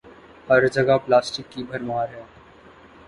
ہر جگہ پلاسٹک کی بھرمار ہے۔